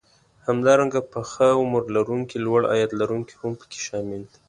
همدارنګه پخه عمر لرونکي لوړ عاید لرونکي هم پکې شامل دي